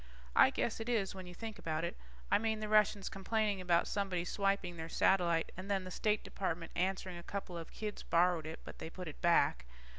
I guess it is when you think about it. I mean, the Russians complaining about somebody swiping their satellite and then the State Department answering a couple of kids borrowed it, but they put it back.